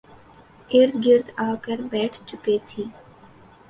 ارد گرد آ کر بیٹھ چکے تھی